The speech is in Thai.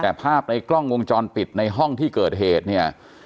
แต่ภาพในกล้องวงจรปิดในห้องที่เกิดเหตุเนี่ย